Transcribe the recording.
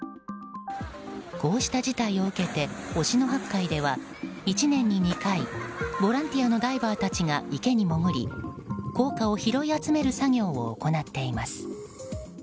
こうした事態を受けて忍野八海では１年に２回ボランティアのダイバーたちが池に潜り、硬貨を拾い集める作業を行っています。